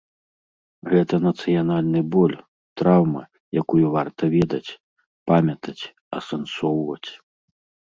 Гэта нацыянальны боль, траўма, якую варта ведаць, памятаць, асэнсоўваць.